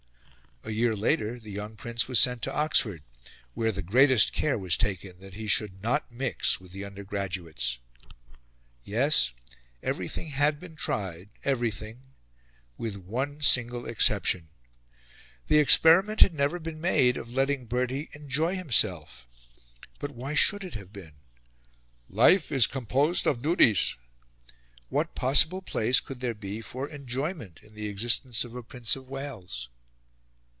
A year later the young Prince was sent to Oxford, where the greatest care was taken that he should not mix with the undergraduates. Yes, everything had been tried everything... with one single exception. The experiment had never been made of letting Bertie enjoy himself. But why should it have been? "Life is composed of duties." What possible place could there be for enjoyment in the existence of a Prince of Wales?